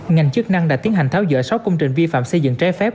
ngành chức năng đã tiến hành tháo rỡ sáu công trình vi phạm xây dựng trái phép